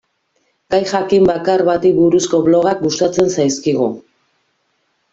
Gai jakin bakar bati buruzko blogak gustatzen zaizkigu.